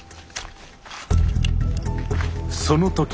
その時。